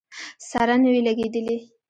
سره نه وې لګېدلې.